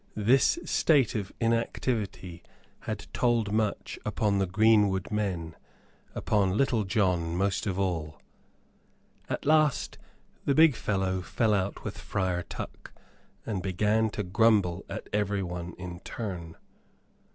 This state of inactivity had told much upon the greenwood men upon Little John most of all. At last the big fellow fell out with Friar Tuck, and began to grumble at everyone in turn.